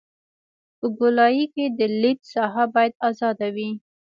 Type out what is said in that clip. په ګولایي کې د لید ساحه باید ازاده وي